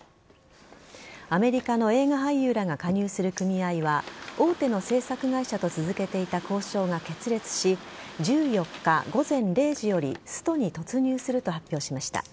アメリカの映画俳優らが加入する組合は大手の製作会社と続けていた交渉が決裂し１４日午前０時よりストに突入すると発表しました。